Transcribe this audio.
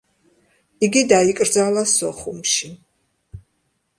იგი დაიკრძალა სოხუმში.